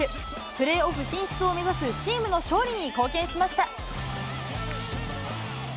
プレーオフ進出を目指すチームの勝利に貢献しました。